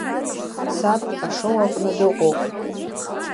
Саб ашоу аҟны дыҟоуп.